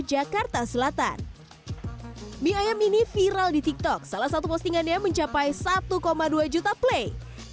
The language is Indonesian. jakarta selatan mie ayam ini viral di tiktok salah satu postingannya mencapai satu dua juta play